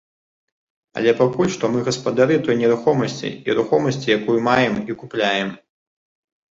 Але пакуль што мы гаспадары той нерухомасці і рухомасці, якую маем і купляем.